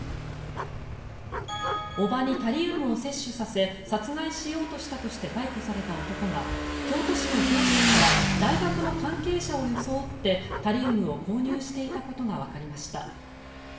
叔母にタリウムを摂取させ殺害しようとしたとして逮捕された男が京都市の業者から大学の関係者を装ってタリウムを購入していたことがわかりました。